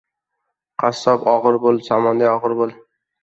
— Qassob, og‘ir bo‘l, somonday og‘ir bo‘l.